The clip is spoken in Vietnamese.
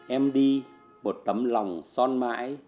em đi một tấm lòng son mãi